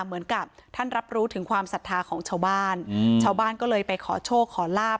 เหมือนกับท่านรับรู้ถึงความศรัทธาของชาวบ้านชาวบ้านก็เลยไปขอโชคขอลาบ